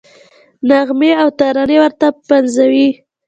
نغمې او ترانې ورته پنځوي.